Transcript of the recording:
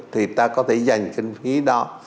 thì ta có thể dành kinh phí đó